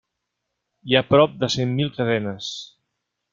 Hi ha prop de cent mil cadenes.